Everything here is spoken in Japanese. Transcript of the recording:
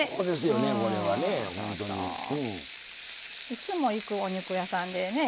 いつも行くお肉屋さんでね